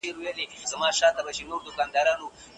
هغوی هڅه وکړه، نو بريالي شول.